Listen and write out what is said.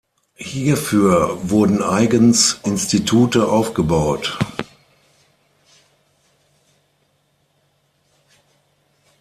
Hierfür wurden eigens Institute aufgebaut.